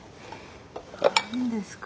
何ですか？